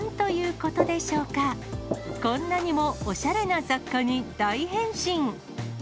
こんなにもおしゃれな雑貨に大変身。